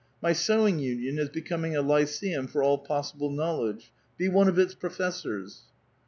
My sewing ^^^^ is becoming a lyceum for all possible knowledge. Be f^^f its professors."